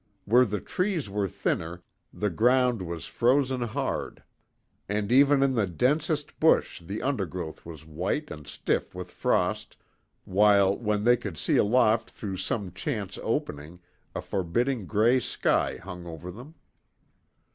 Where the trees were thinner, the ground was frozen hard, and even in the densest bush the undergrowth was white and stiff with frost, while, when they could see aloft through some chance opening, a forbidding grey sky hung over them.